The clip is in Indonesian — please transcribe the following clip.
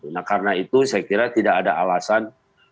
nah karena itu saya kira tidak ada alasan